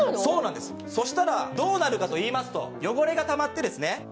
そうなんですそしたらどうなるかと言いますと汚れがたまってですね。